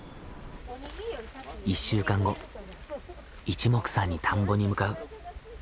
１週間後いちもくさんに田んぼに向かう。